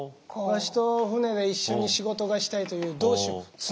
わしと船で一緒に仕事がしたいという同志を募ったがじゃ。